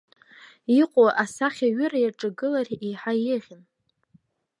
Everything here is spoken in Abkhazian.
Иҟоу асахьаҩыра иаҿаиргылар еиҳа еиӷьын.